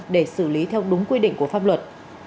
để xử lý theo đúng quy định của pháp luật